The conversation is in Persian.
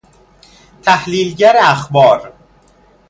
تحلیلگر اخبار